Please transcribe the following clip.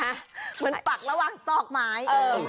เหมือนปักระหว่างซอกไม้